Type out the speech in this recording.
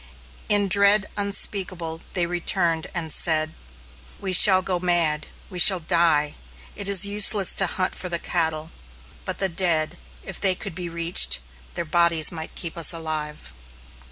In dread unspeakable they returned, and said: "We shall go mad; we shall die! It is useless to hunt for the cattle; but the dead, if they could be reached, their bodies might keep us alive."